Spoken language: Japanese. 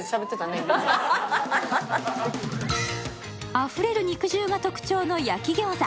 あふれる肉汁が特徴の焼き餃子。